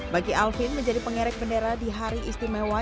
bagi alvin menjadi pengerek bendera di hari istimewa